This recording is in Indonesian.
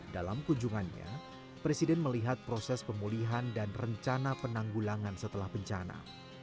dalam kunjungannya presiden melihat proses pemulihan dan rencana penanggulangan setelah bencana